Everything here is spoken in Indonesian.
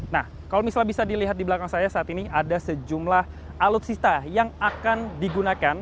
nah kalau misalnya bisa dilihat di belakang saya saat ini ada sejumlah alutsista yang akan digunakan